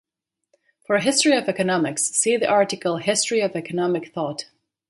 For a history of economics, see the article History of economic thought.